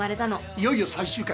いよいよ最終回！